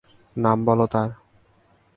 নাম বলো তার।